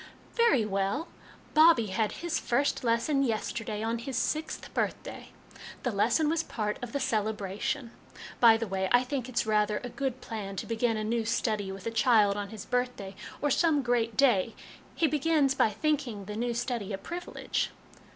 " Very well : Bobbie had his first lesson yesterday on his sixth birthday. The lesson was part of the celebration. By the way, I think it's rather a good plan to begin a new study with a child on his birth day, or some great day ; he begins by thinking the new study a privilege."